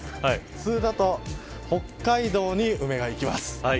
普通だと北海道に梅がいきます。